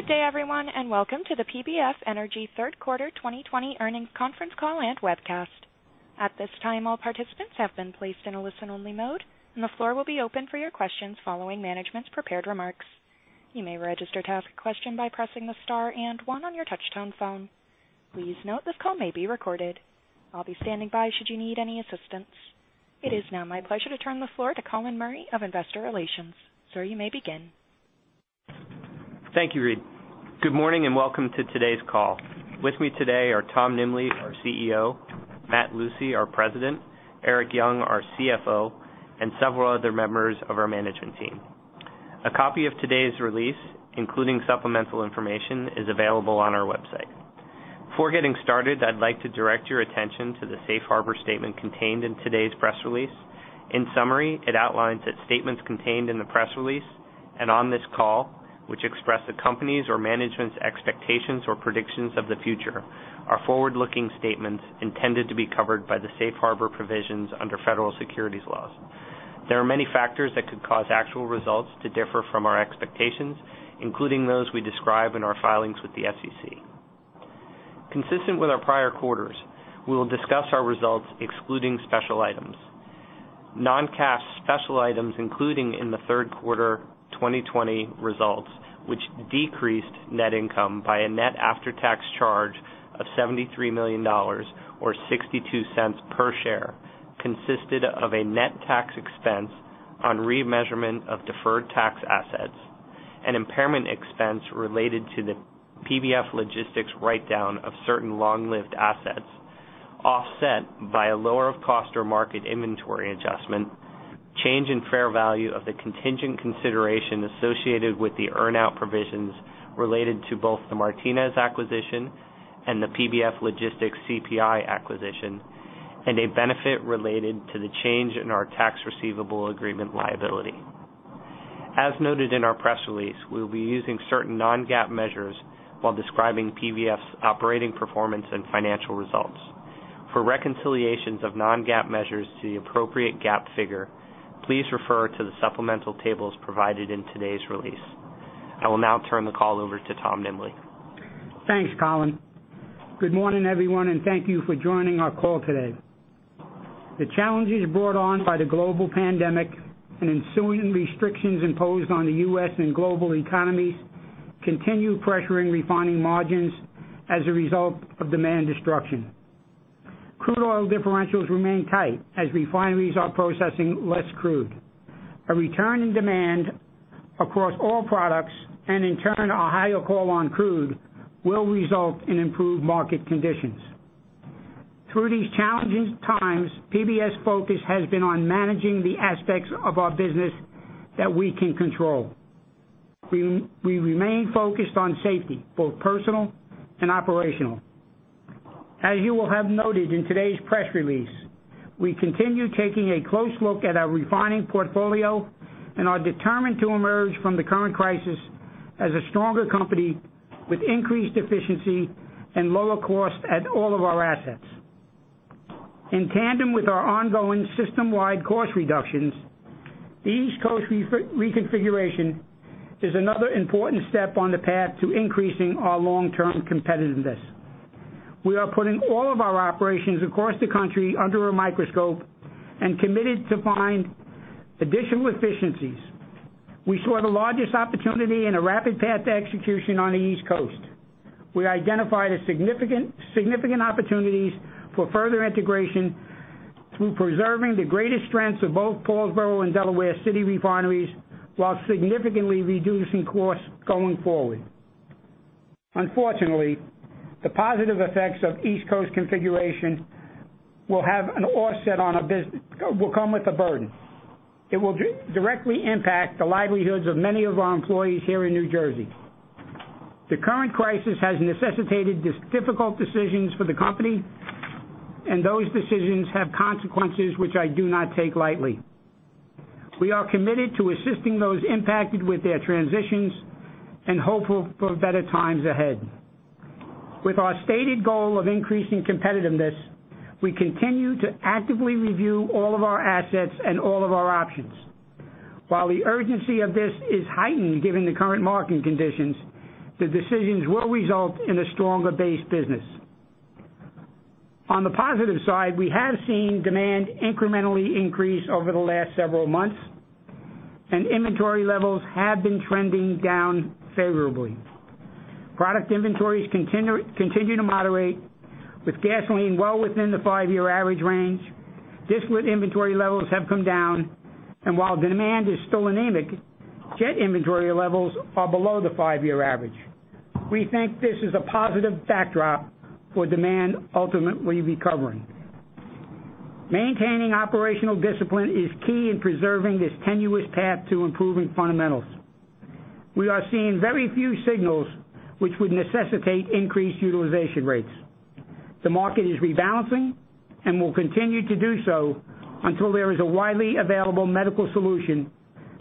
Good day everyone, and welcome to the PBF Energy third quarter 2020 earnings conference call and webcast. At this time, all participants have been placed in a listen-only mode, and the floor will be open for your questions following management's prepared remarks. You may register to ask a question by pressing the star and one on your touch-tone phone. Please note this call may be recorded. I'll be standing by should you need any assistance. It is now my pleasure to turn the floor to Colin Murray of Investor Relations. Sir, you may begin. Thank you, Reed. Good morning and welcome to today's call. With me today are Tom Nimbley, our CEO, Matt Lucey, our President, Erik Young, our CFO, and several other members of our management team. A copy of today's release, including supplemental information, is available on our website. Before getting started, I'd like to direct your attention to the Safe Harbor statement contained in today's press release. In summary, it outlines that statements contained in the press release and on this call, which express the company's or management's expectations or predictions of the future, are forward-looking statements intended to be covered by the Safe Harbor provisions under federal securities laws. There are many factors that could cause actual results to differ from our expectations, including those we describe in our filings with the SEC. Consistent with our prior quarters, we will discuss our results excluding special items. Non-cash special items including in the third quarter 2020 results, which decreased net income by a net after-tax charge of $73 million or $0.62 per share, consisted of a net tax expense on remeasurement of deferred tax assets, an impairment expense related to the PBF Logistics write-down of certain long-lived assets, offset by a lower of cost or market inventory adjustment, change in fair value of the contingent consideration associated with the earn-out provisions related to both the Martinez acquisition and the PBF Logistics CPI acquisition, and a benefit related to the change in our tax receivable agreement liability. As noted in our press release, we will be using certain non-GAAP measures while describing PBF's operating performance and financial results. For reconciliations of non-GAAP measures to the appropriate GAAP figure, please refer to the supplemental tables provided in today's release. I will now turn the call over to Tom Nimbley. Thanks, Colin. Good morning, everyone, thank you for joining our call today. The challenges brought on by the global pandemic and ensuing restrictions imposed on the U.S. and global economies continue pressuring refining margins as a result of demand destruction. Crude oil differentials remain tight as refineries are processing less crude. A return in demand across oil products and in turn, a higher call on crude, will result in improved market conditions. Through these challenging times, PBF's focus has been on managing the aspects of our business that we can control. We remain focused on safety, both personal and operational. As you will have noted in today's press release, we continue taking a close look at our refining portfolio and are determined to emerge from the current crisis as a stronger company with increased efficiency and lower cost at all of our assets. In tandem with our ongoing system-wide cost reductions, the East Coast reconfiguration is another important step on the path to increasing our long-term competitiveness. We are putting all of our operations across the country under a microscope and committed to find additional efficiencies. We saw the largest opportunity and a rapid path to execution on the East Coast, where we identified significant opportunities for further integration through preserving the greatest strengths of both Paulsboro and Delaware City refineries, while significantly reducing costs going forward. Unfortunately, the positive effects of East Coast configuration will come with a burden. It will directly impact the livelihoods of many of our employees here in New Jersey. The current crisis has necessitated these difficult decisions for the company, and those decisions have consequences, which I do not take lightly. We are committed to assisting those impacted with their transitions and hopeful for better times ahead. With our stated goal of increasing competitiveness, we continue to actively review all of our assets and all of our options. While the urgency of this is heightened given the current market conditions, the decisions will result in a stronger base business. On the positive side, we have seen demand incrementally increase over the last several months, and inventory levels have been trending down favorably. Product inventories continue to moderate, with gasoline well within the five-year average range. Distillate inventory levels have come down, and while demand is still anemic, jet inventory levels are below the five-year average. We think this is a positive backdrop for demand ultimately recovering. Maintaining operational discipline is key in preserving this tenuous path to improving fundamentals. We are seeing very few signals which would necessitate increased utilization rates. The market is rebalancing and will continue to do so until there is a widely available medical solution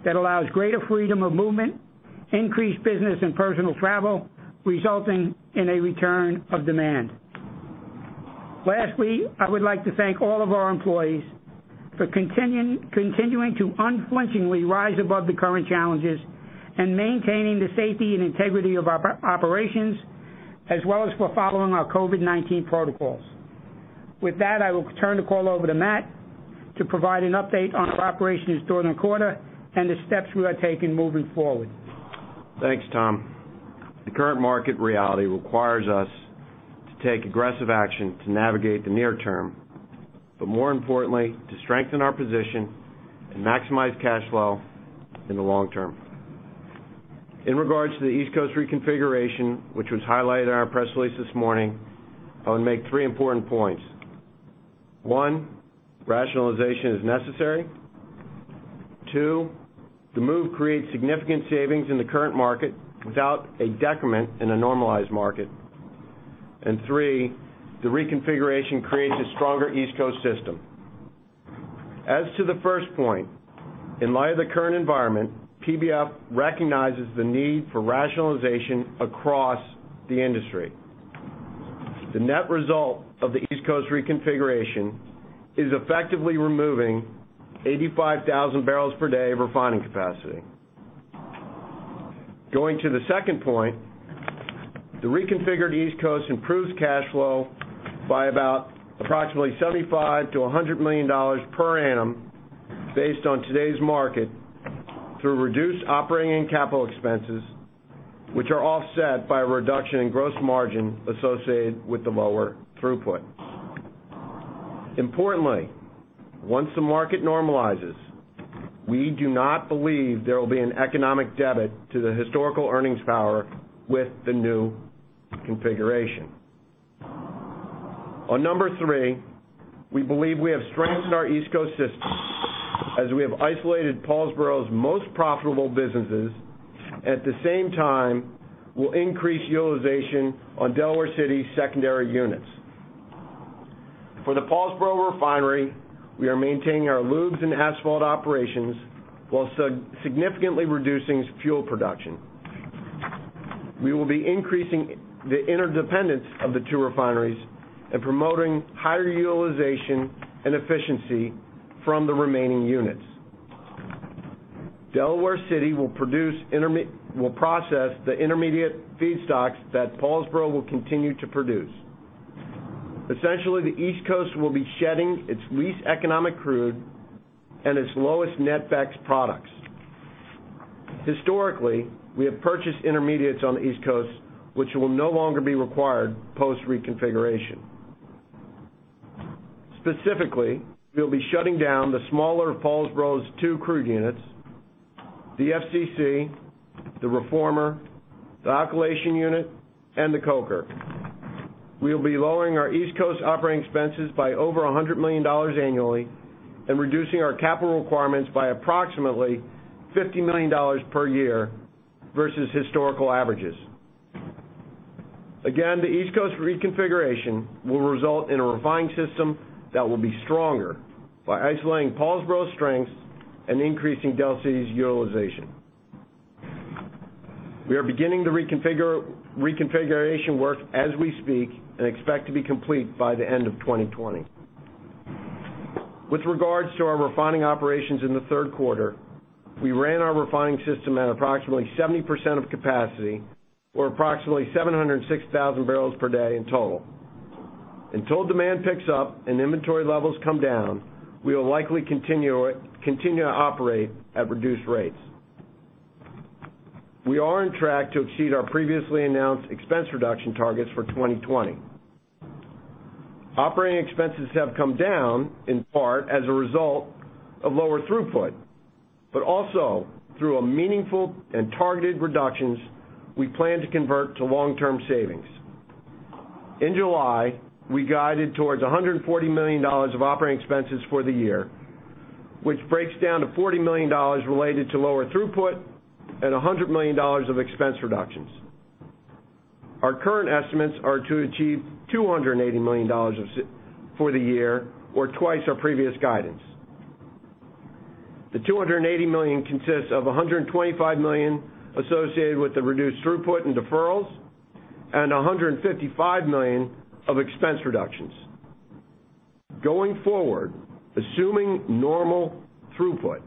that allows greater freedom of movement, increased business and personal travel, resulting in a return of demand. Lastly, I would like to thank all of our employees for continuing to unflinchingly rise above the current challenges and maintaining the safety and integrity of our operations, as well as for following our COVID-19 protocols. With that, I will turn the call over to Matt to provide an update on our operations during the quarter and the steps we are taking moving forward. Thanks, Tom. The current market reality requires us to take aggressive action to navigate the near term, but more importantly, to strengthen our position and maximize cash flow in the long term. In regards to the East Coast reconfiguration, which was highlighted in our press release this morning, I will make three important points. One, rationalization is necessary. Two, the move creates significant savings in the current market without a decrement in a normalized market. Three, the reconfiguration creates a stronger East Coast system. As to the first point, in light of the current environment, PBF recognizes the need for rationalization across the industry. The net result of the East Coast reconfiguration is effectively removing 85,000 bbl per day of refining capacity. Going to the second point, the reconfigured East Coast improves cash flow by about approximately $75 million-$100 million per annum based on today's market through reduced operating and capital expenses, which are offset by a reduction in gross margin associated with the lower throughput. Importantly, once the market normalizes, we do not believe there will be an economic debit to the historical earnings power with the new configuration. On number three, we believe we have strengthened our East Coast system as we have isolated Paulsboro's most profitable businesses, at the same time, will increase utilization on Delaware City's secondary units. For the Paulsboro refinery, we are maintaining our lubes and asphalt operations while significantly reducing fuel production. We will be increasing the interdependence of the two refineries and promoting higher utilization and efficiency from the remaining units. Delaware City will process the intermediate feedstocks that Paulsboro will continue to produce. Essentially, the East Coast will be shedding its least economic crude and its lowest net backs products. Historically, we have purchased intermediates on the East Coast, which will no longer be required post-reconfiguration. Specifically, we'll be shutting down the smaller of Paulsboro's two crude units, the FCC, the reformer, the alkylation unit, and the coker. We'll be lowering our East Coast operating expenses by over $100 million annually and reducing our capital requirements by approximately $50 million per year versus historical averages. Again, the East Coast reconfiguration will result in a refining system that will be stronger by isolating Paulsboro's strengths and increasing Delaware City's utilization. We are beginning the reconfiguration work as we speak and expect to be complete by the end of 2020. With regards to our refining operations in the third quarter, we ran our refining system at approximately 70% of capacity or approximately 706,000 bbl per day in total. Until demand picks up and inventory levels come down, we will likely continue to operate at reduced rates. We are on track to exceed our previously announced expense reduction targets for 2020. Operating expenses have come down in part as a result of lower throughput, but also through a meaningful and targeted reductions we plan to convert to long-term savings. In July, we guided towards $140 million of operating expenses for the year, which breaks down to $40 million related to lower throughput and $100 million of expense reductions. Our current estimates are to achieve $280 million for the year or twice our previous guidance. The $280 million consists of $125 million associated with the reduced throughput and deferrals and $155 million of expense reductions. Going forward, assuming normal throughput,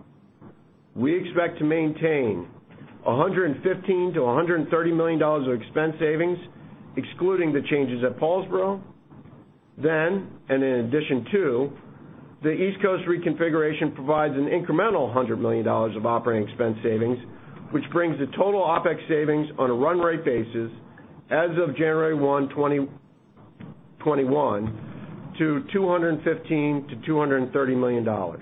we expect to maintain $115 million-$130 million of expense savings, excluding the changes at Paulsboro. In addition to, the East Coast reconfiguration provides an incremental $100 million of operating expense savings, which brings the total OpEx savings on a run rate basis as of January 1, 2021 to $215 million-$230 million.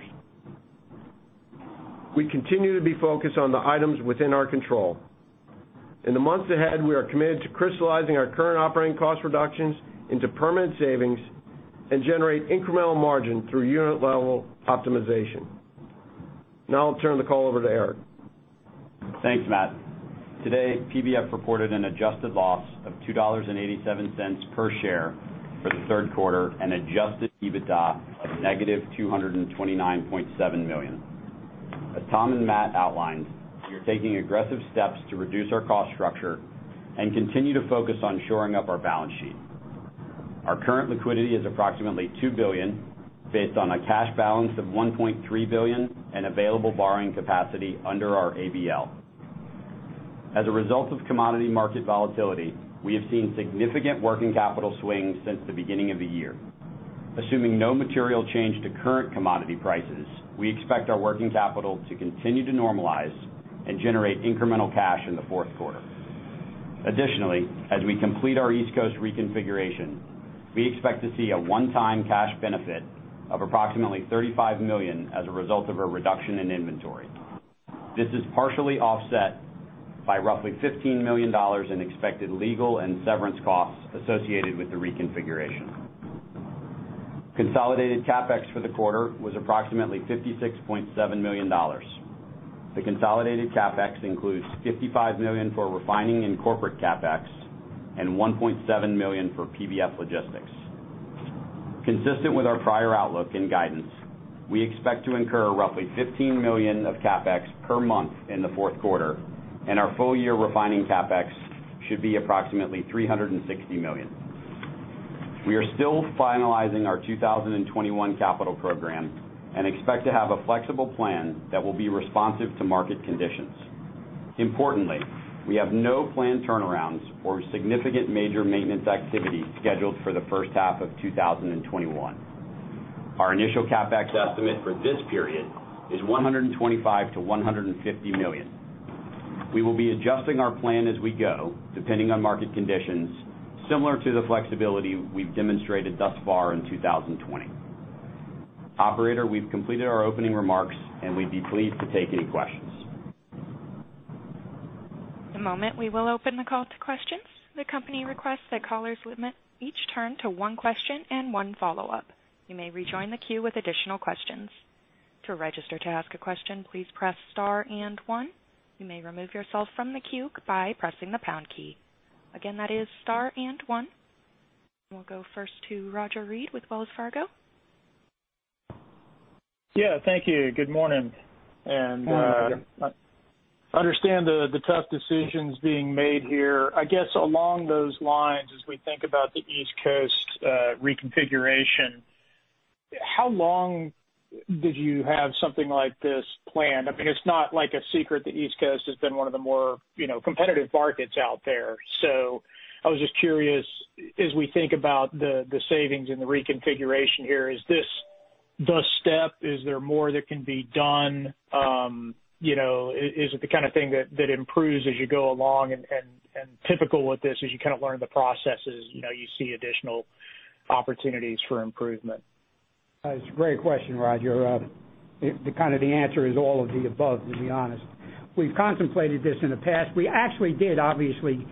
We continue to be focused on the items within our control. In the months ahead, we are committed to crystallizing our current operating cost reductions into permanent savings and generate incremental margin through unit-level optimization. Now I'll turn the call over to Erik. Thanks, Matt. Today, PBF reported an adjusted loss of $2.87 per share for the third quarter and adjusted EBITDA of -$229.7 million. As Tom and Matt outlined, we are taking aggressive steps to reduce our cost structure and continue to focus on shoring up our balance sheet. Our current liquidity is approximately $2 billion based on a cash balance of $1.3 billion and available borrowing capacity under our ABL. As a result of commodity market volatility, we have seen significant working capital swings since the beginning of the year. Assuming no material change to current commodity prices, we expect our working capital to continue to normalize and generate incremental cash in the fourth quarter. Additionally, as we complete our East Coast reconfiguration, we expect to see a one-time cash benefit of approximately $35 million as a result of a reduction in inventory. This is partially offset by roughly $15 million in expected legal and severance costs associated with the reconfiguration. Consolidated CapEx for the quarter was approximately $56.7 million. The consolidated CapEx includes $55 million for refining and corporate CapEx and $1.7 million for PBF Logistics. Consistent with our prior outlook and guidance, we expect to incur roughly $15 million of CapEx per month in the fourth quarter, and our full-year refining CapEx should be approximately $360 million. We are still finalizing our 2021 capital program and expect to have a flexible plan that will be responsive to market conditions. Importantly, we have no planned turnarounds or significant major maintenance activity scheduled for the first half of 2021. Our initial CapEx estimate for this period is $125 million-$150 million. We will be adjusting our plan as we go, depending on market conditions, similar to the flexibility we've demonstrated thus far in 2020. Operator, we've completed our opening remarks. We'd be pleased to take any questions. In a moment, we will open the call to questions. The company requests that callers limit each turn to one question and one follow-up. You may rejoin the queue with additional questions. To register to ask a question, please press star and one. You may remove yourself from the queue by pressing the pound key. Again, that is star and one. We'll go first to Roger Read with Wells Fargo. Yeah, thank you. Good morning. I understand the tough decisions being made here. I guess along those lines, as we think about the East Coast reconfiguration, how long did you have something like this planned? It's not like a secret the East Coast has been one of the more competitive markets out there. I was just curious, as we think about the savings and the reconfiguration here, is this the step? Is there more that can be done? Is it the kind of thing that improves as you go along and typical with this, as you learn the processes, you see additional opportunities for improvement? It's a great question, Roger. The answer is all of the above, to be honest. We've contemplated this in the past. We actually did, obviously,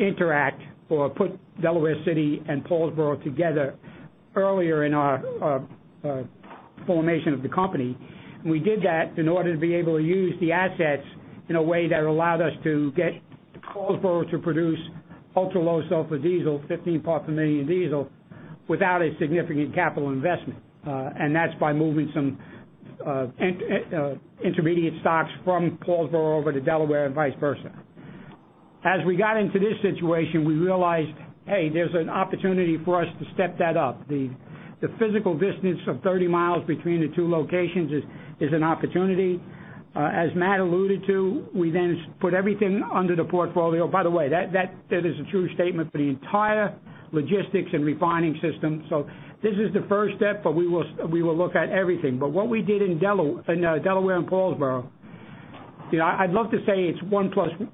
interact or put Delaware City and Paulsboro together earlier in our formation of the company. We did that in order to be able to use the assets in a way that allowed us to get Paulsboro to produce ultra-low sulfur diesel, 15 parts per million diesel, without a significant capital investment. That's by moving some intermediate stocks from Paulsboro over to Delaware and vice versa. As we got into this situation, we realized, hey, there's an opportunity for us to step that up. The physical distance of 30 mi between the two locations is an opportunity. As Matt alluded to, we then put everything under the portfolio. By the way, that is a true statement for the entire logistics and refining system. This is the first step, but we will look at everything. What we did in Delaware and Paulsboro, I'd love to say it's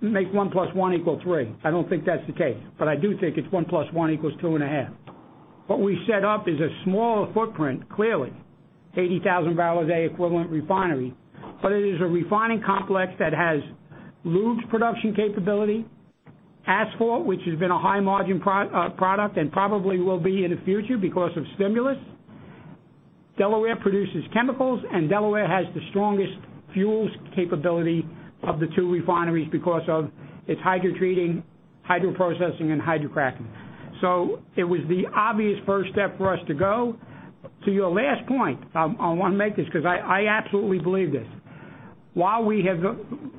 make one plus one equal three. I don't think that's the case. I do think it's one plus one equals two and a half. What we set up is a smaller footprint, clearly, 80,000 bbl a equivalent refinery, but it is a refining complex that has lubes production capability, asphalt, which has been a high-margin product and probably will be in the future because of stimulus. Delaware produces chemicals, and Delaware has the strongest fuels capability of the two refineries because of its hydrotreating, hydroprocessing, and hydrocracking. It was the obvious first step for us to go. To your last point, I want to make this because I absolutely believe this. While we have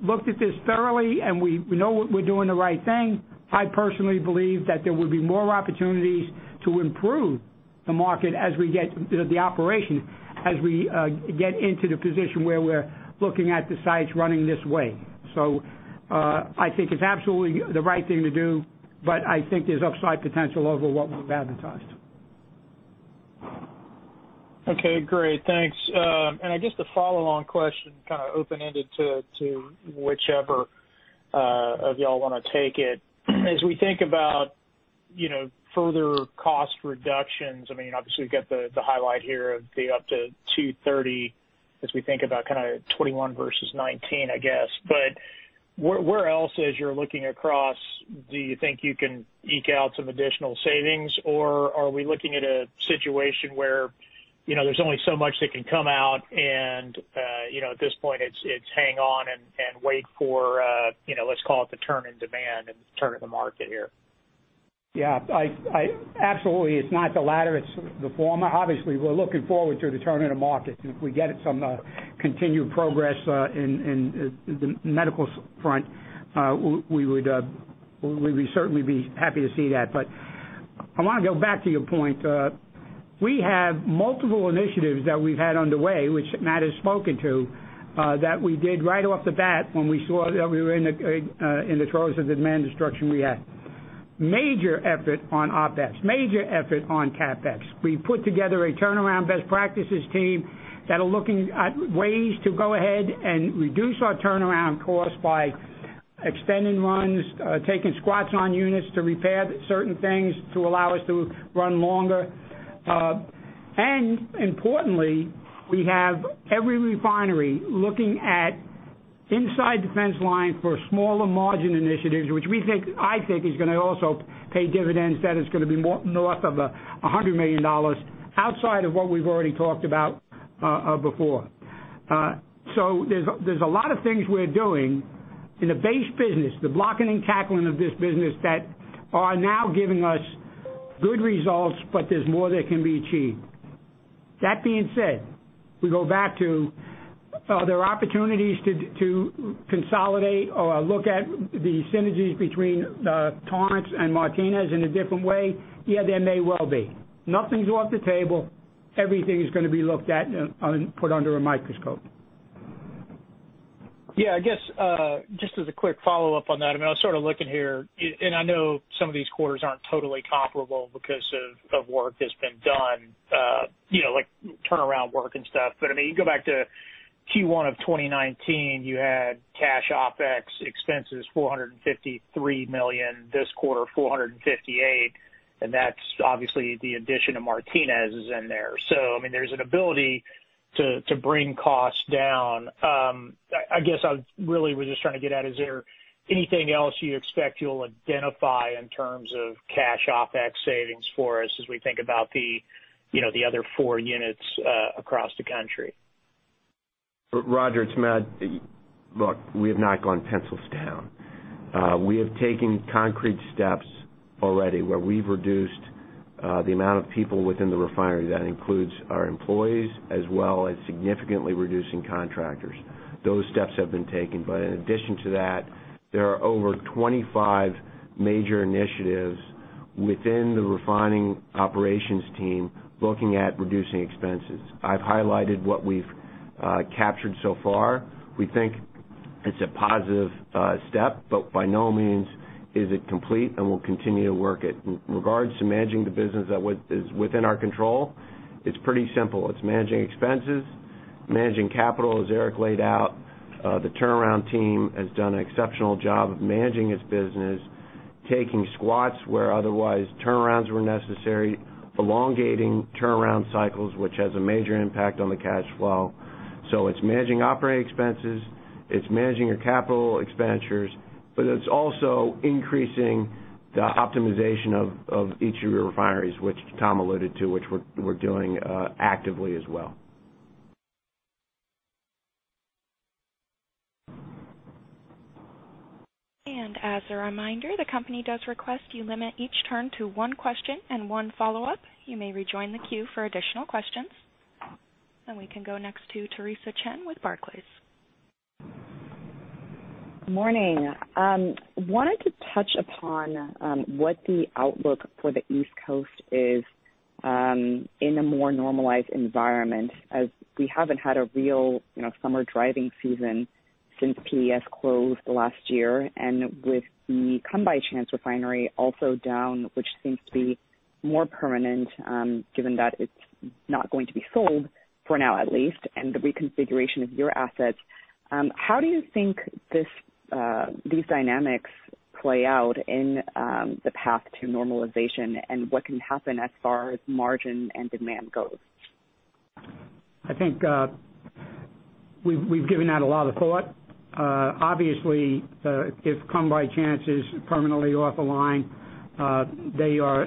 looked at this thoroughly and we know we're doing the right thing, I personally believe that there will be more opportunities to improve the market as we get the operation, as we get into the position where we're looking at the sites running this way. I think it's absolutely the right thing to do, but I think there's upside potential over what we've advertised. Okay, great. Thanks. I guess the follow-on question, kind of open-ended to whichever of you all want to take it. As we think about further cost reductions, obviously we've got the highlight here of the up to $230 as we think about 2021 versus 2019, I guess. Where else, as you're looking across, do you think you can eke out some additional savings? Are we looking at a situation where there's only so much that can come out, and at this point it's hang on and wait for, let's call it the turn in demand and the turn of the market here? Yeah. Absolutely, it's not the latter, it's the former. Obviously, we're looking forward to the turn in the market, and if we get some continued progress in the medical front, we would certainly be happy to see that. I want to go back to your point. We have multiple initiatives that we've had underway, which Matt has spoken to, that we did right off the bat when we saw that we were in the throes of demand destruction we had. Major effort on OpEx. Major effort on CapEx. We put together a turnaround best practices team that are looking at ways to go ahead and reduce our turnaround costs by extending runs, taking squats on units to repair certain things to allow us to run longer. Importantly, we have every refinery looking at inside defense lines for smaller margin initiatives, which I think is going to also pay dividends, that is going to be north of $100 million outside of what we've already talked about before. There's a lot of things we're doing in the base business, the blocking and tackling of this business that are now giving us good results, but there's more that can be achieved. That being said, we go back to are there opportunities to consolidate or look at the synergies between Torrance and Martinez in a different way? Yeah, there may well be. Nothing's off the table. Everything is going to be looked at and put under a microscope. Yeah, I guess, just as a quick follow-up on that. I was sort of looking here, and I know some of these quarters aren't totally comparable because of work that's been done, like turnaround work and stuff. You go back to Q1 of 2019, you had cash OpEx expenses, $453 million. This quarter, $458 million. That's obviously the addition of Martinez is in there. There's an ability to bring costs down. I guess I really was just trying to get at, is there anything else you expect you'll identify in terms of cash OpEx savings for us as we think about the other four units across the country? Roger, it's Matt. Look, we have not gone pencils down. We have taken concrete steps already where we've reduced the amount of people within the refinery. That includes our employees as well as significantly reducing contractors. Those steps have been taken. In addition to that, there are over 25 major initiatives within the refining operations team looking at reducing expenses. I've highlighted what we've captured so far. We think it's a positive step, but by no means is it complete and we'll continue to work it. In regards to managing the business that is within our control, it's pretty simple. It's managing expenses, managing capital. As Erik laid out, the turnaround team has done an exceptional job of managing its business, taking squats where otherwise turnarounds were necessary, elongating turnaround cycles, which has a major impact on the cash flow. It's managing operating expenses, it's managing your capital expenditures, but it's also increasing the optimization of each of your refineries, which Tom alluded to, which we're doing actively as well. As a reminder, the company does request you limit each turn to one question and one follow-up. You may rejoin the queue for additional questions. We can go next to Theresa Chen with Barclays. Morning. Wanted to touch upon what the outlook for the East Coast is in a more normalized environment, as we haven't had a real summer driving season since PES closed last year. With the Come By Chance refinery also down, which seems to be more permanent, given that it's not going to be sold, for now at least, and the reconfiguration of your assets, how do you think these dynamics play out in the path to normalization, and what can happen as far as margin and demand goes? I think we've given that a lot of thought. Obviously, if Come By Chance is permanently off a line, they are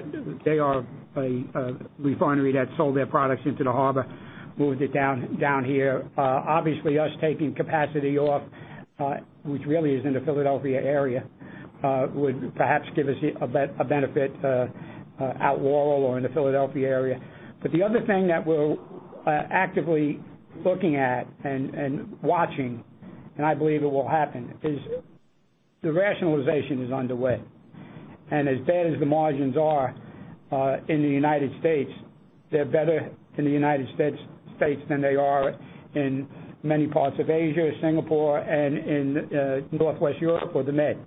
a refinery that sold their products into the harbor, moved it down here. Obviously, us taking capacity off, which really is in the Philadelphia area, would perhaps give us a benefit at Wall or in the Philadelphia area. The other thing that we're actively looking at and watching, and I believe it will happen, is the rationalization is underway. As bad as the margins are in the United States, they're better in the United States than they are in many parts of Asia, Singapore, and in Northwest Europe or the Med.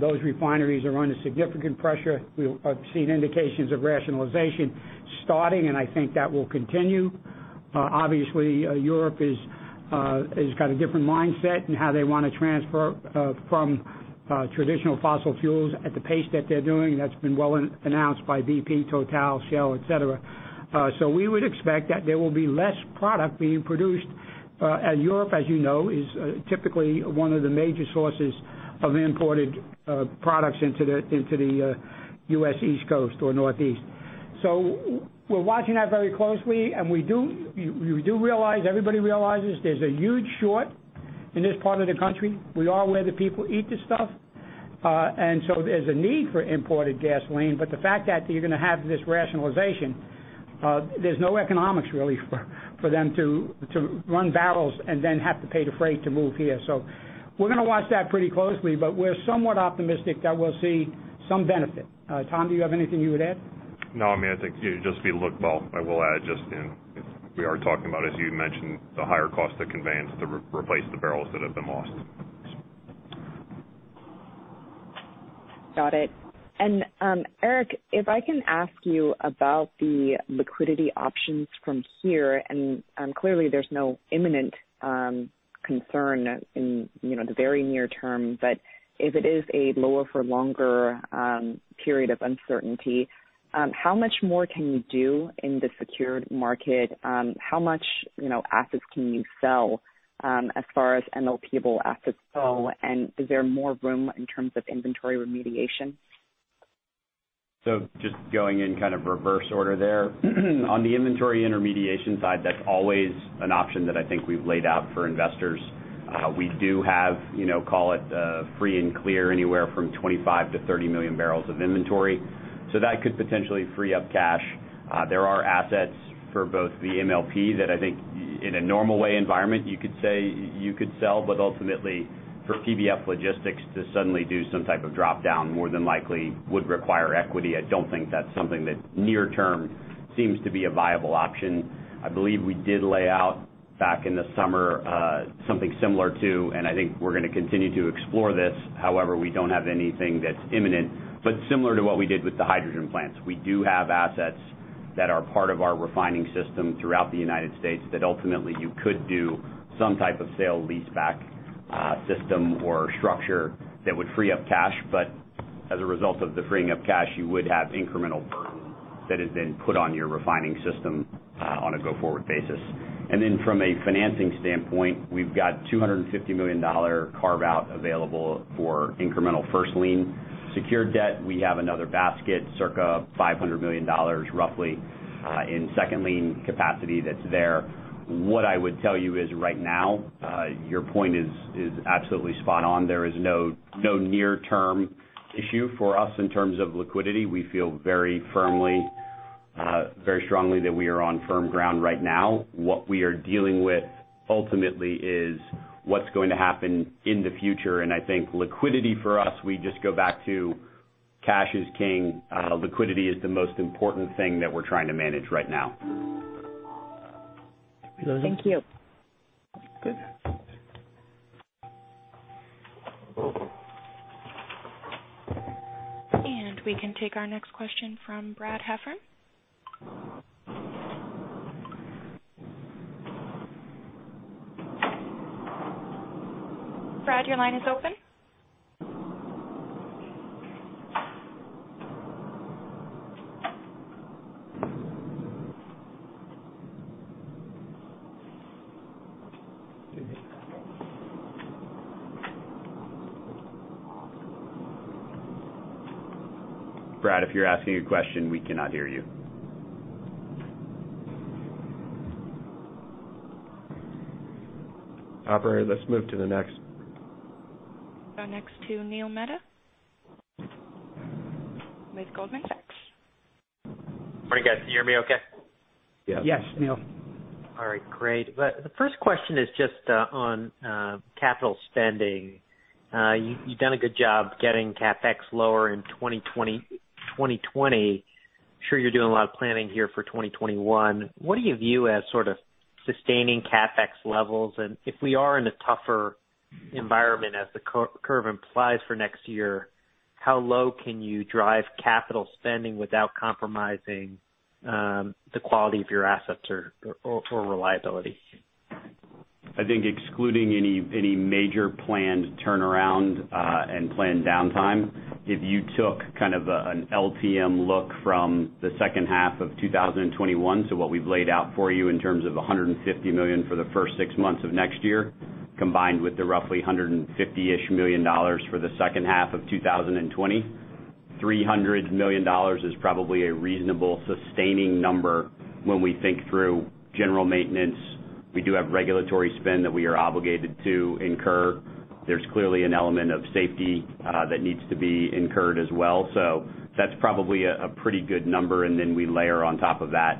Those refineries are under significant pressure. We have seen indications of rationalization starting, and I think that will continue. Obviously, Europe has got a different mindset in how they want to transfer from traditional fossil fuels at the pace that they're doing. That's been well announced by BP, Total, Shell, et cetera. We would expect that there will be less product being produced. Europe, as you know, is typically one of the major sources of imported products into the U.S. East Coast or Northeast. We're watching that very closely, and we do realize, everybody realizes there's a huge short. In this part of the country, we are where the people eat this stuff. There's a need for imported gasoline, but the fact that you're going to have this rationalization, there's no economics, really, for them to run barrels and then have to pay the freight to move here. We're going to watch that pretty closely, but we're somewhat optimistic that we'll see some benefit. Tom, do you have anything you would add? No, I think, Well, I will add, just in, we are talking about, as you mentioned, the higher cost of conveyance to replace the barrels that have been lost. Got it. Erik, if I can ask you about the liquidity options from here, and clearly there's no imminent concern in the very near term, but if it is a lower for longer period of uncertainty, how much more can you do in the secured market? How much assets can you sell, as far as MLP-able assets go? Is there more room in terms of inventory remediation? Just going in kind of reverse order there. On the inventory intermediation side, that's always an option that I think we've laid out for investors. We do have, call it, free and clear, anywhere from 25 million-30 million bbls of inventory. That could potentially free up cash. There are assets for both the MLP that I think in a normal way environment, you could say you could sell, but ultimately, for PBF Logistics to suddenly do some type of drop down, more than likely would require equity. I don't think that's something that near term seems to be a viable option. I believe we did lay out back in the summer, something similar to, and I think we're going to continue to explore this. However, we don't have anything that's imminent. Similar to what we did with the hydrogen plants. We do have assets that are part of our refining system throughout the U.S. that ultimately you could do some type of sale-leaseback system or structure that would free up cash. As a result of the freeing up cash, you would have incremental burden that is then put on your refining system on a go-forward basis. From a financing standpoint, we've got $250 million carve-out available for incremental first lien secured debt. We have another basket, circa $500 million roughly, in second lien capacity that's there. What I would tell you is right now, your point is absolutely spot on. There is no near-term issue for us in terms of liquidity. We feel very firmly, very strongly that we are on firm ground right now. What we are dealing with ultimately is what's going to happen in the future. I think liquidity for us, we just go back to cash is king. Liquidity is the most important thing that we're trying to manage right now. Thank you. Good. We can take our next question from Brad Heffron. Brad, your line is open. Brad, if you're asking a question, we cannot hear you. Operator, let's move to the next. Go next to Neil Mehta with Goldman Sachs. Morning, guys. Can you hear me okay? Yes, Neil. All right, great. The first question is just on capital spending. You've done a good job getting CapEx lower in 2020. I'm sure you're doing a lot of planning here for 2021. What do you view as sort of sustaining CapEx levels? If we are in a tougher environment as the curve implies for next year, how low can you drive capital spending without compromising the quality of your assets or reliability? I think excluding any major planned turnaround and planned downtime, if you took kind of an LTM look from the second half of 2021, so what we've laid out for you in terms of $150 million for the first six months of next year, combined with the roughly $150 million for the second half of 2020, $300 million is probably a reasonable sustaining number when we think through general maintenance. We do have regulatory spend that we are obligated to incur. There's clearly an element of safety that needs to be incurred as well. That's probably a pretty good number, and then we layer on top of that,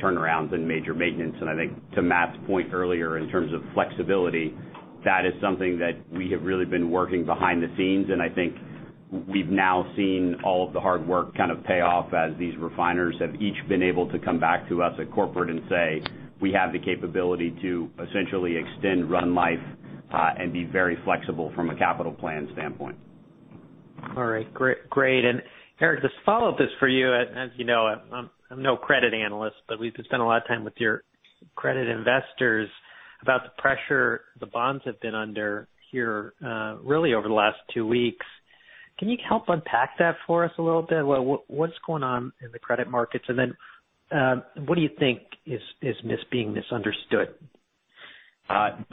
turnarounds and major maintenance. I think to Matt's point earlier in terms of flexibility, that is something that we have really been working behind the scenes, and I think we've now seen all of the hard work kind of pay off as these refiners have each been able to come back to us at corporate and say, "We have the capability to essentially extend run life, and be very flexible from a capital plan standpoint. All right, great. Erik, this follow-up is for you. As you know, I'm no credit analyst, but we've spent a lot of time with your credit investors about the pressure the bonds have been under here really over the last two weeks. Can you help unpack that for us a little bit? What's going on in the credit markets? What do you think is being misunderstood?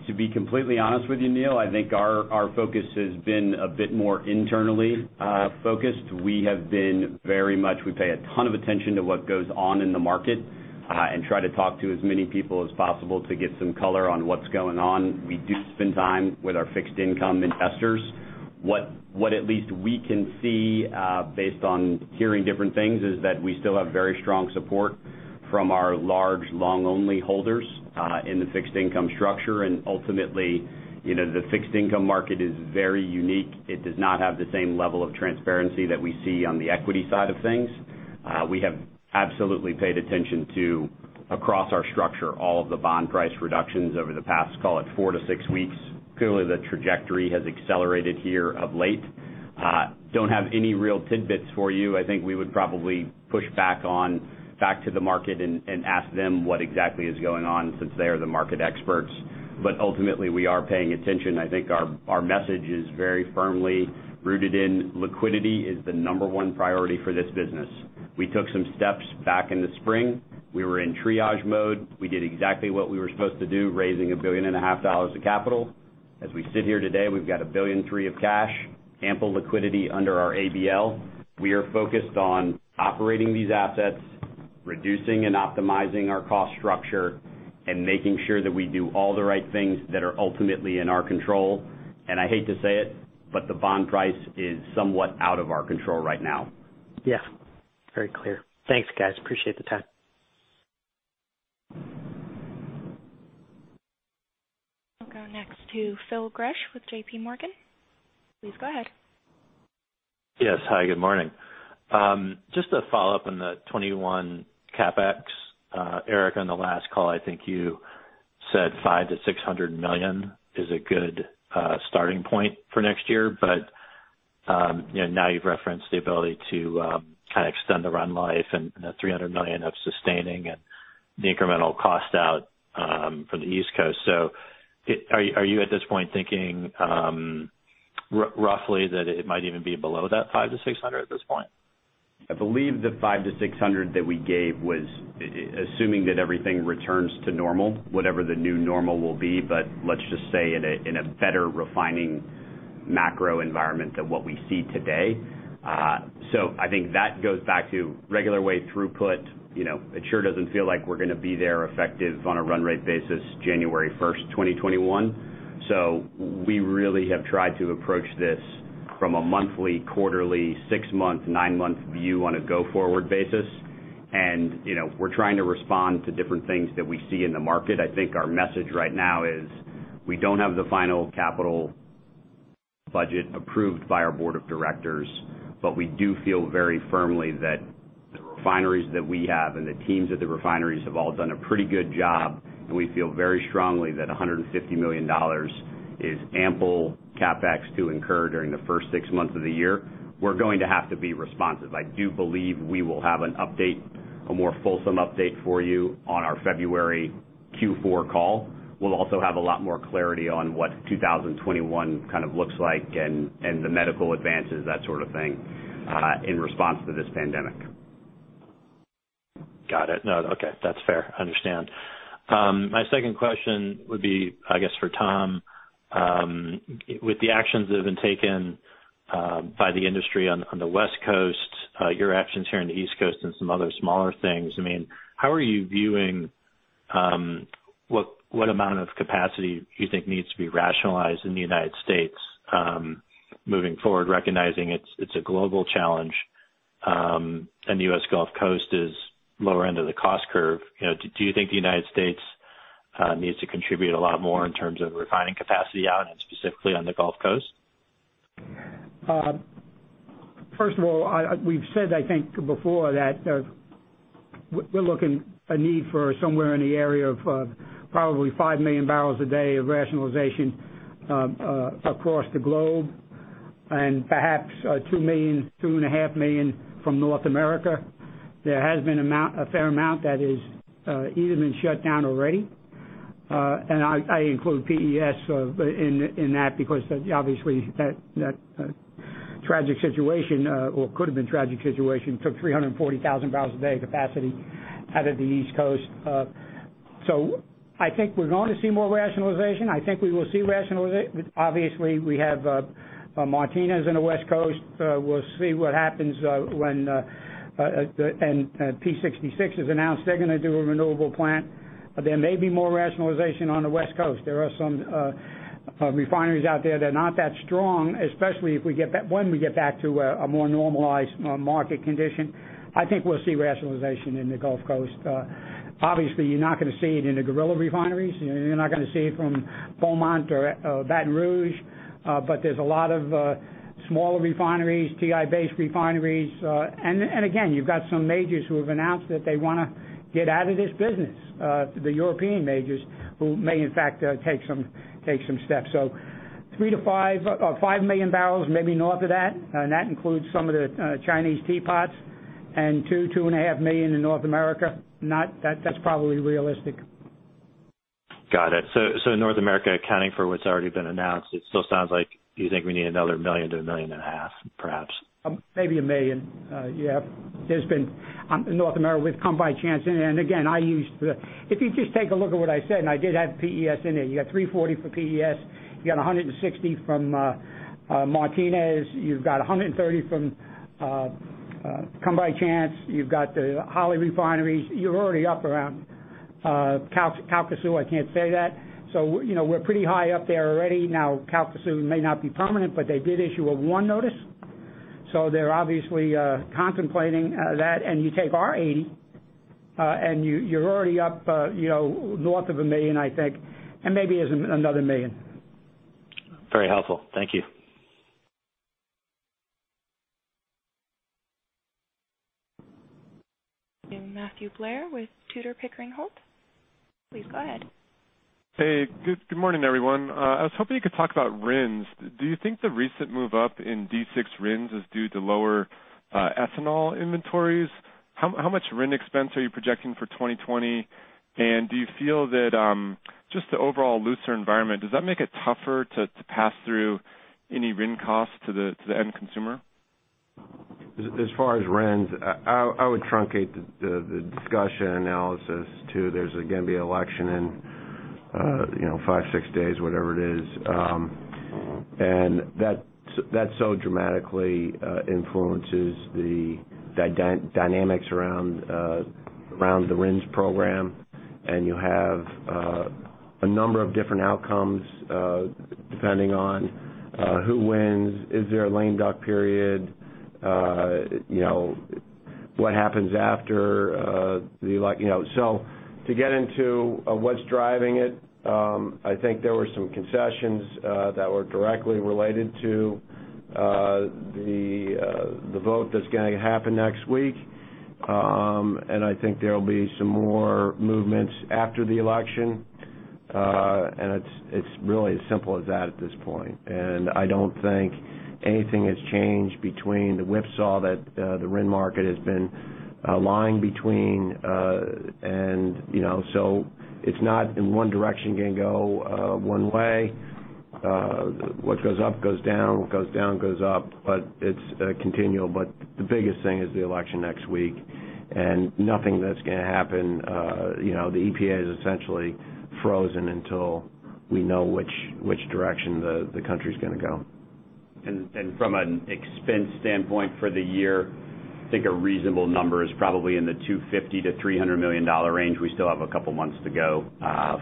To be completely honest with you, Neil, I think our focus has been a bit more internally focused. We pay a ton of attention to what goes on in the market, and try to talk to as many people as possible to get some color on what's going on. We do spend time with our fixed income investors. What at least we can see, based on hearing different things, is that we still have very strong support from our large long-only holders, in the fixed income structure. Ultimately, the fixed income market is very unique. It does not have the same level of transparency that we see on the equity side of things. We have absolutely paid attention to, across our structure, all of the bond price reductions over the past, call it four to six weeks. Clearly, the trajectory has accelerated here of late. Don't have any real tidbits for you. I think we would probably push back on back to the market and ask them what exactly is going on since they are the market experts. Ultimately, we are paying attention. I think our message is very firmly rooted in liquidity is the number one priority for this business. We took some steps back in the spring. We were in triage mode. We did exactly what we were supposed to do, raising $1.5 billion of capital. As we sit here today, we've got $1.3 billion of cash, ample liquidity under our ABL. We are focused on operating these assets, reducing and optimizing our cost structure, and making sure that we do all the right things that are ultimately in our control. I hate to say it, but the bond price is somewhat out of our control right now. Yeah. Very clear. Thanks, guys. Appreciate the time. We'll go next to Phil Gresh with JPMorgan. Please go ahead. Yes. Hi, good morning. Just to follow up on the 2021 CapEx. Erik, on the last call, I think you said $500 million-$600 million is a good starting point for next year. Now you've referenced the ability to kind of extend the run life and the $300 million of sustaining and the incremental cost out from the East Coast. Are you at this point thinking roughly that it might even be below that $500 million-$600 million at this point? I believe the $500 million-$600 million that we gave was assuming that everything returns to normal, whatever the new normal will be, but let's just say in a better refining macro environment than what we see today. I think that goes back to regular way throughput. It sure doesn't feel like we're going to be there effective on a run rate basis January 1st, 2021. We really have tried to approach this from a monthly, quarterly, six-month, nine-month view on a go-forward basis. We're trying to respond to different things that we see in the market. I think our message right now is we don't have the final capital budget approved by our board of directors, but we do feel very firmly that the refineries that we have and the teams at the refineries have all done a pretty good job, and we feel very strongly that $150 million is ample CapEx to incur during the first six months of the year. We're going to have to be responsive. I do believe we will have an update, a more fulsome update for you on our February Q4 call. We'll also have a lot more clarity on what 2021 kind of looks like and the medical advances, that sort of thing, in response to this pandemic. Got it. No. Okay. That's fair. I understand. My second question would be, I guess, for Tom. With the actions that have been taken by the industry on the West Coast, your actions here on the East Coast and some other smaller things, how are you viewing what amount of capacity you think needs to be rationalized in the United States, moving forward, recognizing it's a global challenge, and the U.S. Gulf Coast is lower end of the cost curve. Do you think the United States needs to contribute a lot more in terms of refining capacity out, and specifically on the Gulf Coast? First of all, we've said, I think before, that we're looking a need for somewhere in the area of probably 5 MMpbd of rationalization across the globe, and perhaps 2 million, 2.5 million from North America. There has been a fair amount that is either been shut down already. I include PES in that because obviously that tragic situation, or could have been tragic situation, took 340,000 bbl a day capacity out of the East Coast. I think we're gonna see more rationalization. I think we will see rationalization. Obviously, we have Martinez in the West Coast. We'll see what happens when P66 is announced. They're gonna do a renewable plant. There may be more rationalization on the West Coast. There are some refineries out there that are not that strong, especially when we get back to a more normalized market condition. I think we'll see rationalization in the Gulf Coast. Obviously, you're not going to see it in the gorilla refineries. You're not going to see it from Beaumont or Baton Rouge. There's a lot of smaller refineries, TI-based refineries. Again, you've got some majors who have announced that they want to get out of this business. The European majors who may, in fact, take some steps. 3-5 or 5 million bbl, maybe north of that, and that includes some of the Chinese teapots and 2-2.5 million in North America. That's probably realistic. Got it. North America accounting for what's already been announced, it still sounds like you think we need another 1 million-1.5 million, perhaps. Maybe 1 million. Yeah. There's been, in North America, we've Come By Chance. Again, if you just take a look at what I said, I did have PES in there. You got 340 for PES, you got 160 from Martinez, you've got 130 from Come By Chance. You've got the Holly refineries. You're already up around Calcasieu, I can't say that. We're pretty high up there already. Now, Calcasieu may not be permanent, but they did issue a WARN notice. They're obviously contemplating that. You take our 80, you're already up north of 1 million, I think, maybe it's another 1 million. Very helpful. Thank you. Matthew Blair with Tudor, Pickering, Holt. Please go ahead. Hey, good morning, everyone. I was hoping you could talk about RINs. Do you think the recent move up in D6 RINs is due to lower ethanol inventories? How much RIN expense are you projecting for 2020? Do you feel that, just the overall looser environment, does that make it tougher to pass through any RIN costs to the end consumer? As far as RINs, I would truncate the discussion analysis to, there's, again, be election in five, six days, whatever it is. That so dramatically influences the dynamics around the RINs program. You have a number of different outcomes, depending on who wins. Is there a lame duck period? What happens after? To get into what's driving it, I think there were some concessions that were directly related to the vote that's going to happen next week. I think there'll be some more movements after the election. It's really as simple as that at this point. I don't think anything has changed between the whipsaw that the RIN market has been lying between. It's not in one direction, going to go one way. What goes up, goes down. What goes down, goes up. It's continual. The biggest thing is the election next week, and nothing that's going to happen. The EPA is essentially frozen until we know which direction the country's going to go. From an expense standpoint for the year, I think a reasonable number is probably in the $250 million-$300 million range. We still have a couple of months to go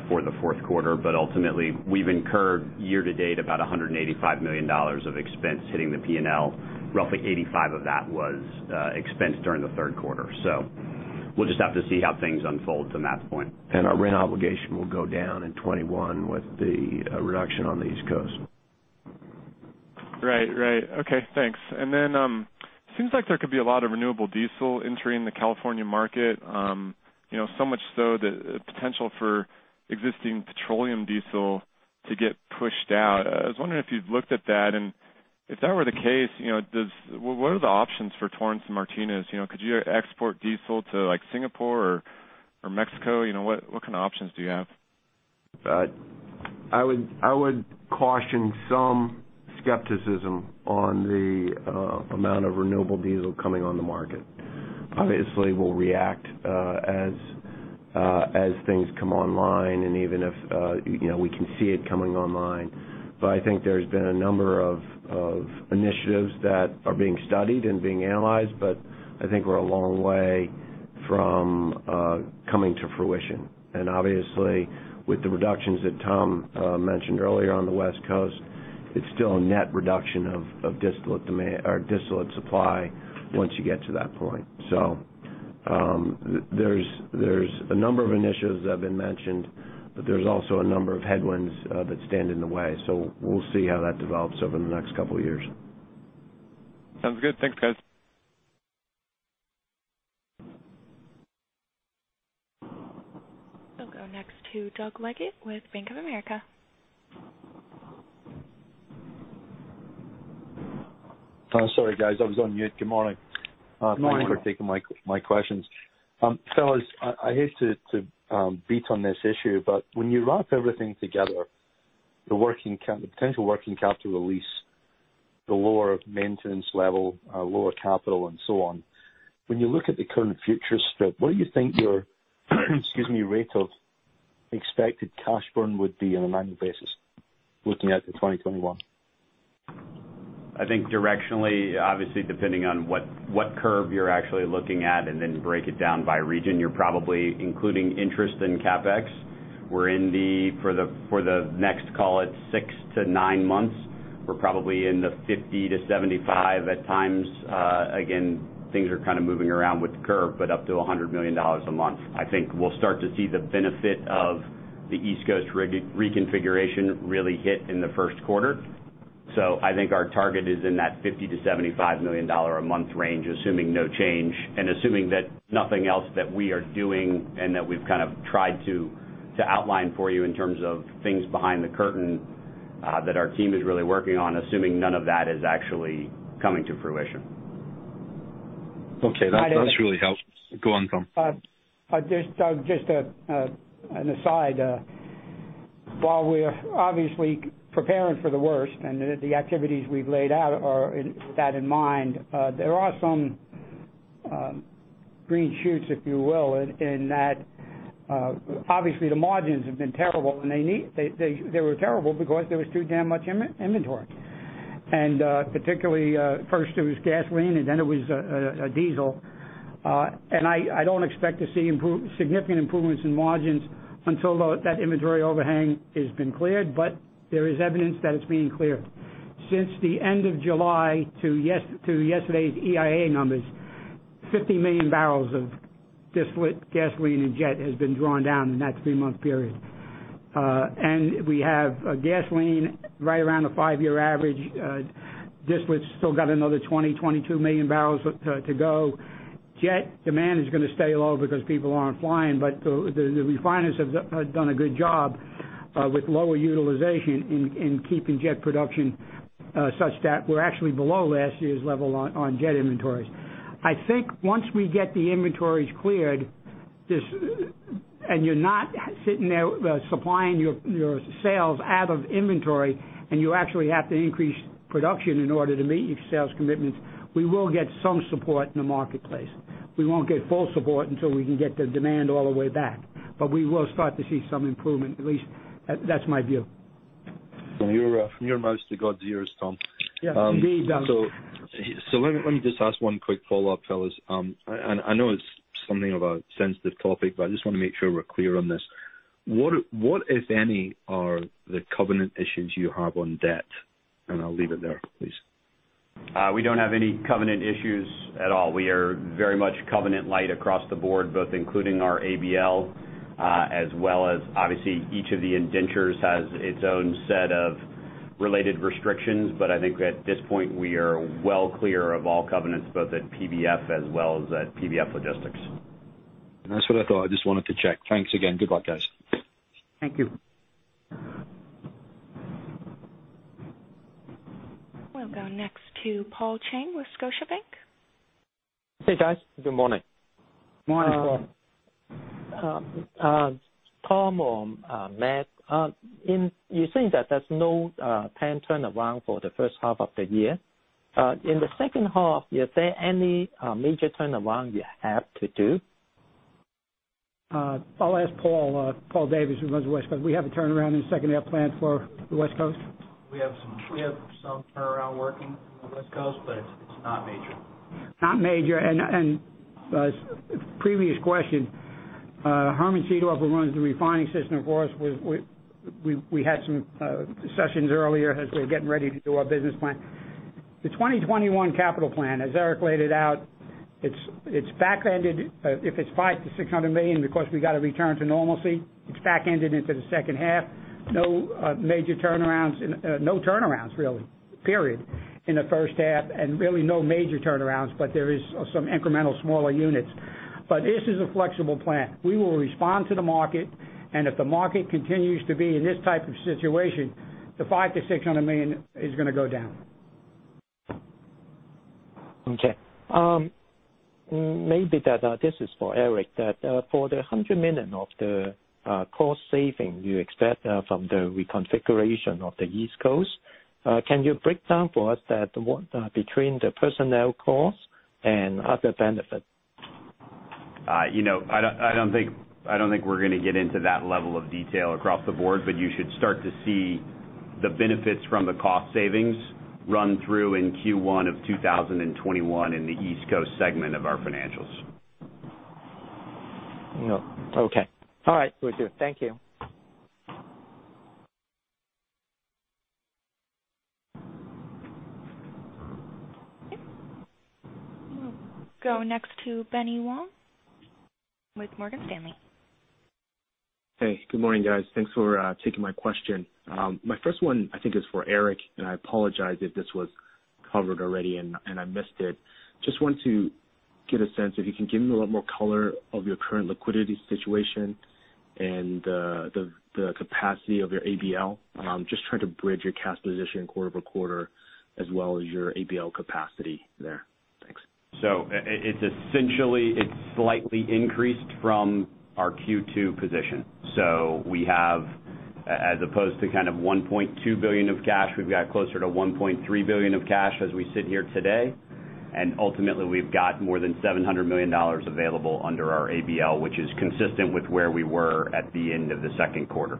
for the fourth quarter, ultimately, we've incurred year to date about $185 million of expense hitting the P&L. Roughly $85 of that was expense during the third quarter. We'll just have to see how things unfold to Matt's point. Our RIN obligation will go down in 2021 with the reduction on the East Coast. Right. Okay, thanks. Seems like there could be a lot of renewable diesel entering the California market. Much so that the potential for existing petroleum diesel to get pushed out. I was wondering if you'd looked at that, and if that were the case, what are the options for Torrance and Martinez? Could you export diesel to Singapore or Mexico? What kind of options do you have? I would caution some skepticism on the amount of renewable diesel coming on the market. Obviously, we'll react as things come online and even if we can see it coming online. I think there's been a number of initiatives that are being studied and being analyzed, but I think we're a long way from coming to fruition. Obviously, with the reductions that Tom mentioned earlier on the West Coast, it's still a net reduction of distillate supply once you get to that point. There's a number of initiatives that have been mentioned, but there's also a number of headwinds that stand in the way. We'll see how that develops over the next couple of years. Sounds good. Thanks, guys. I'll go next to Doug Leggate with Bank of America. Oh, sorry, guys, I was on mute. Good morning. Good morning. Thank you for taking my questions. Fellas, I hate to beat on this issue, but when you wrap everything together, the potential working capital release, the lower maintenance level, lower capital and so on. When you look at the current futures strip, what do you think your excuse me, rate of expected cash burn would be on an annual basis looking out to 2021? I think directionally, obviously, depending on what curve you're actually looking at, and then break it down by region, you're probably including interest in CapEx. For the next, call it six to nine months, we're probably in the $50-$75 at times. Again, things are kind of moving around with the curve, but up to $100 million a month. I think we'll start to see the benefit of the East Coast reconfiguration really hit in the first quarter. So I think our target is in that $50 million-$75 million a month range, assuming no change and assuming that nothing else that we are doing and that we've kind of tried to outline for you in terms of things behind the curtain, that our team is really working on, assuming none of that is actually coming to fruition. Okay. That's really helpful. Go on, Tom. Just an aside, while we're obviously preparing for the worst and the activities we've laid out are with that in mind, there are some green shoots, if you will, in that obviously the margins have been terrible, and they were terrible because there was too damn much inventory. Particularly, first it was gasoline and then it was diesel. I don't expect to see significant improvements in margins until that inventory overhang has been cleared. There is evidence that it's being cleared. Since the end of July to yesterday's EIA numbers, 50 million bbl of distillate, gasoline, and jet has been drawn down in that three-month period. We have gasoline right around the five-year average. Distillate's still got another 20 million-22 million bbl to go. Jet demand is going to stay low because people aren't flying. The refiners have done a good job with lower utilization in keeping jet production such that we're actually below last year's level on jet inventories. I think once we get the inventories cleared, and you're not sitting there supplying your sales out of inventory, and you actually have to increase production in order to meet your sales commitments, we will get some support in the marketplace. We won't get full support until we can get the demand all the way back, but we will start to see some improvement, at least that's my view. From your mouth to God's ears, Tom. Yes, indeed. Let me just ask one quick follow-up, fellas. I know it's something of a sensitive topic, but I just want to make sure we're clear on this. What, if any, are the covenant issues you have on debt? I'll leave it there, please. We don't have any covenant issues at all. We are very much covenant lite across the board, both including our ABL as well as obviously each of the indentures has its own set of related restrictions. I think at this point, we are well clear of all covenants, both at PBF as well as at PBF Logistics. That's what I thought. I just wanted to check. Thanks again. Good luck, guys. Thank you. We'll go next to Paul Cheng with Scotiabank. Hey, guys. Good morning. Morning. Tom or Matt, you're saying that there's no planned turnaround for the first half of the year. In the second half, is there any major turnaround you have to do? I'll ask Paul Davis, who runs West Coast. Do we have a turnaround in the second half planned for the West Coast? We have some turnaround working on the West Coast, but it's not major. Not major. Previous question, Herman Seedorf, who runs the Refining System for us, we had some sessions earlier as we were getting ready to do our business plan. The 2021 capital plan, as Erik laid it out, it's back-ended. If it's $5 million-$600 million, because we got to return to normalcy, it's back-ended into the second half. No turnarounds really, period, in the first half, really no major turnarounds, there is some incremental smaller units. This is a flexible plan. We will respond to the market, if the market continues to be in this type of situation, the $5 million-$600 million is going to go down. Okay. Maybe this is for Erik, for the $100 million of the cost saving you expect from the reconfiguration of the East Coast, can you break down for us between the personnel costs and other benefits? I don't think we're going to get into that level of detail across the board, but you should start to see the benefits from the cost savings run through in Q1 of 2021 in the East Coast segment of our financials. Okay. All right. Thank you. Okay. We'll go next to Benny Wong with Morgan Stanley. Hey, good morning, guys. Thanks for taking my question. My first one I think is for Erik, and I apologize if this was covered already and I missed it. Just want to get a sense if you can give me a little more color of your current liquidity situation and the capacity of your ABL. Just trying to bridge your cash position quarter-over-quarter as well as your ABL capacity there. Thanks. Essentially, it's slightly increased from our Q2 position. We have, as opposed to $1.2 billion of cash, we've got closer to $1.3 billion of cash as we sit here today. Ultimately, we've got more than $700 million available under our ABL, which is consistent with where we were at the end of the second quarter.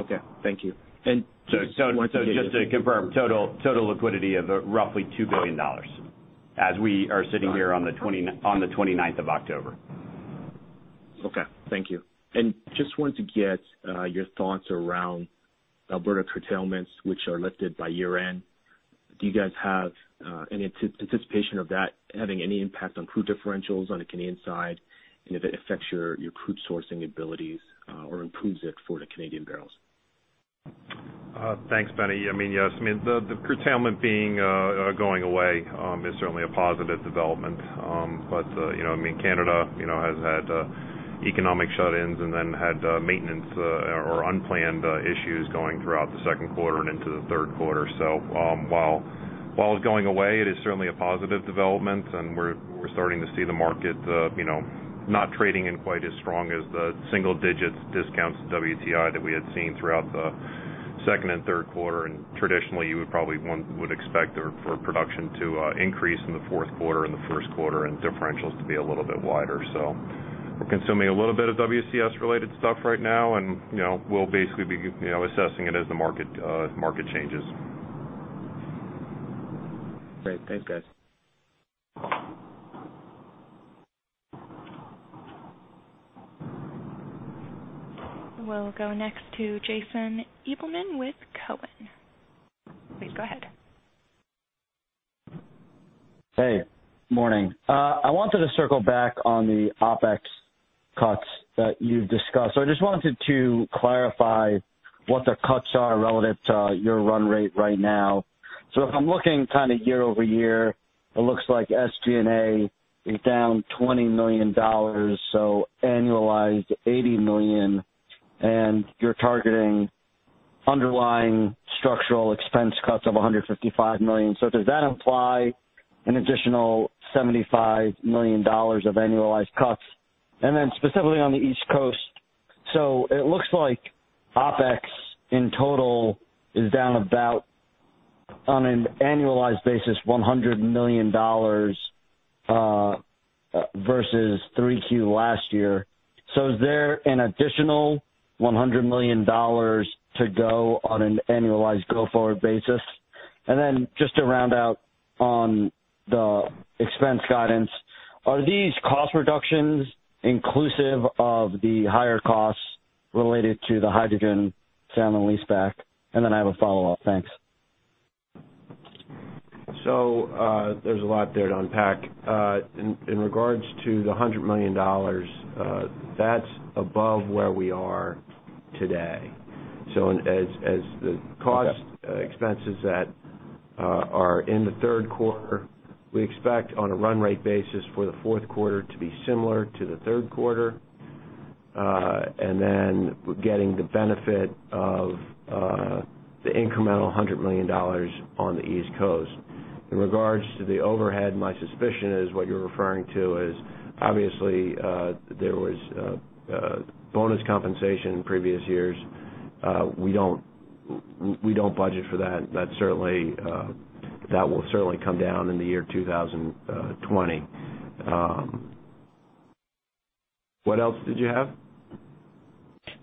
Okay. Thank you. Just to confirm, total liquidity of roughly $2 billion as we are sitting here on the 29th of October. Okay. Thank you. Just wanted to get your thoughts around Alberta curtailments, which are lifted by year-end. Do you guys have any anticipation of that having any impact on crude differentials on the Canadian side, and if it affects your crude sourcing abilities or improves it for the Canadian barrels? Thanks, Benny. Yes. The curtailment going away is certainly a positive development. Canada has had economic shut-ins and then had maintenance or unplanned issues going throughout the second quarter and into the third quarter. While it's going away, it is certainly a positive development, and we're starting to see the market not trading in quite as strong as the single-digit discounts to WTI that we had seen throughout the second and third quarter. Traditionally, you would probably expect for production to increase in the fourth quarter and the first quarter and differentials to be a little bit wider. We're consuming a little bit of WCS-related stuff right now, and we'll basically be assessing it as the market changes. Great. Thanks, guys. We'll go next to Jason Gabelman with Cowen. Please go ahead. Hey, morning. I wanted to circle back on the OpEx cuts that you've discussed. I just wanted to clarify what the cuts are relative to your run rate right now. If I'm looking year-over-year, it looks like SG&A is down $20 million, annualized $80 million, and you're targeting underlying structural expense cuts of $155 million. Does that imply an additional $75 million of annualized cuts? Specifically on the East Coast, it looks like OpEx, in total, is down about, on an annualized basis, $100 million, versus 3Q last year. Is there an additional $100 million to go on an annualized go-forward basis? Just to round out on the expense guidance, are these cost reductions inclusive of the higher costs related to the hydrogen sale and leaseback? I have a follow-up. Thanks. There's a lot there to unpack. In regards to the $100 million, that's above where we are today. Expenses that are in the third quarter, we expect on a run rate basis for the fourth quarter to be similar to the third quarter. We're getting the benefit of the incremental $100 million on the East Coast. In regards to the overhead, my suspicion is what you're referring to is obviously, there was bonus compensation in previous years. We don't budget for that. That will certainly come down in the year 2020. What else did you have?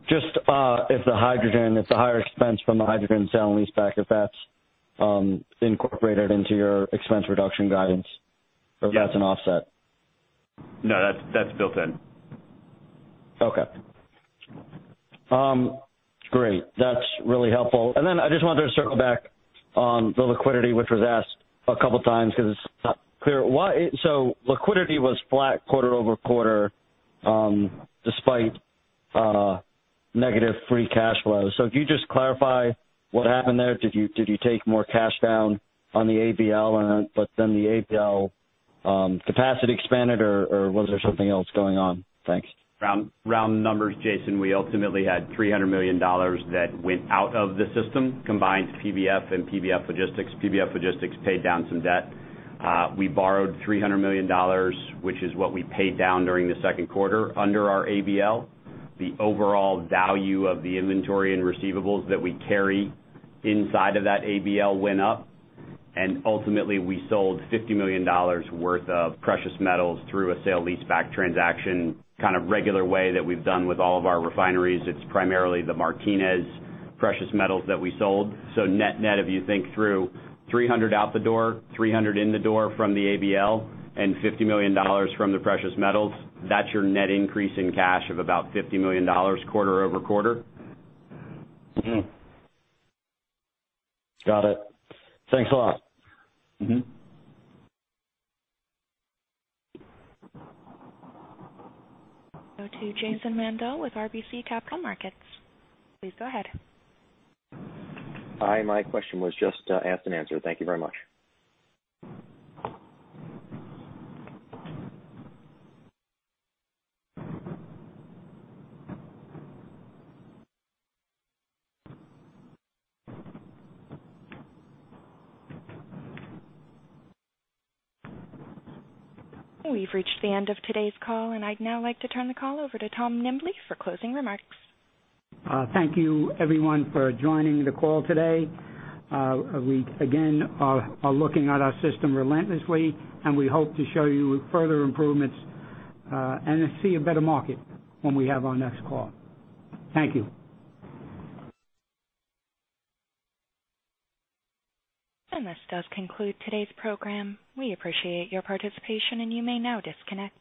Just if the hydrogen, if the higher expense from the hydrogen sale and leaseback, if that's incorporated into your expense reduction guidance? Yes If that's an offset. No, that's built in. Okay. Great. That's really helpful. I just wanted to circle back on the liquidity, which was asked a couple of times because it's not clear why. Liquidity was flat quarter-over-quarter, despite negative free cash flow. Could you just clarify what happened there? Did you take more cash down on the ABL, but then the ABL capacity expanded or was there something else going on? Thanks. Round numbers, Jason. We ultimately had $300 million that went out of the system, combined PBF and PBF Logistics. PBF Logistics paid down some debt. We borrowed $300 million, which is what we paid down during the second quarter under our ABL. The overall value of the inventory and receivables that we carry inside of that ABL went up, and ultimately we sold $50 million worth of precious metals through a sale leaseback transaction, kind of regular way that we've done with all of our refineries. It's primarily the Martinez precious metals that we sold. Net-net, if you think through $300 out the door, $300 in the door from the ABL, and $50 million from the precious metals, that's your net increase in cash of about $50 million quarter-over-quarter. Got it. Thanks a lot. Go to Jason Mandel with RBC Capital Markets. Please go ahead. Hi, my question was just asked and answered. Thank you very much. We've reached the end of today's call, and I'd now like to turn the call over to Tom Nimbley for closing remarks. Thank you everyone for joining the call today. We again are looking at our system relentlessly. We hope to show you further improvements and to see a better market when we have our next call. Thank you. This does conclude today's program. We appreciate your participation, and you may now disconnect.